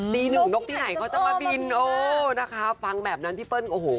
ตีหนึ่งนกที่ไหนเขาจะมาบินโอ้นะคะฟังแบบนั้นพี่เปิ้ลโอ้โห